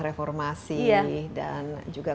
reformasi dan juga